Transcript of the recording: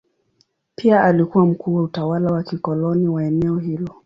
Pia alikuwa mkuu wa utawala wa kikoloni wa eneo hilo.